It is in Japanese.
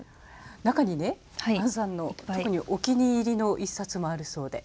中にね杏さんの特にお気に入りの１冊もあるそうで。